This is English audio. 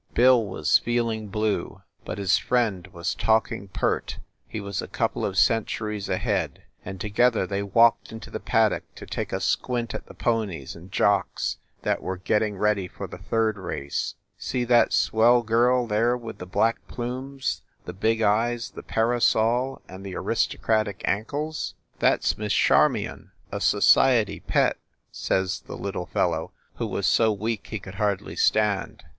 Bill was feeling blue, but his friend was talking pert. He was a couple of centuries ahead, and together they walked into the paddock to take a squint at the ponies and jocks that were getting ready for the third race. "See that swell girl there with the black plumes, the big eyes, the parasol and the aristocratic ankles ? 72 FIND THE WOMAN That s Miss Charmion, a society pet/ says the little fellow, who was so weak he could hardly stand.